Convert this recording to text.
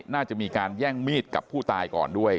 น่าจะมีการแย่งมีดกับผู้ตายก่อนด้วย